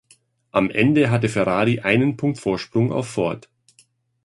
Am Ende hatte Ferrari einen Punkt Vorsprung auf Ford.